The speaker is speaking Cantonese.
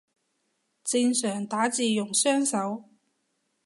正常打字用雙手